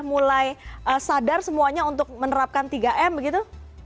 mulai sadar semuanya untuk menerapkan tiga m begitu